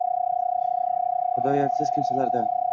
Hidoyatsiz kimsalarda